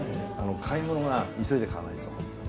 買い物は急いで買わないとホント。